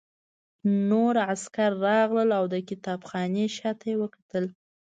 نور عسکر راغلل او د کتابخانې شاته یې وکتل